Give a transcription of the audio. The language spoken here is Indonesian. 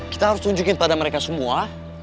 kita harus tunjukin pada mereka semua